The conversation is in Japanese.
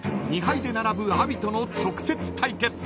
［２敗で並ぶ阿炎との直接対決］